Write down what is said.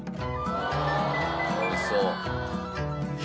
おいしそう。